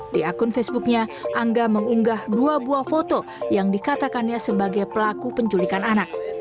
di akun facebooknya angga mengunggah dua buah foto yang dikatakannya sebagai pelaku penculikan anak